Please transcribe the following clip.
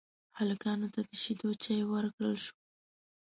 هلکانو ته د شيدو چايو ورکړل شوه.